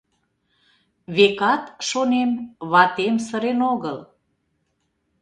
Векат, шонем, ватем сырен огыл.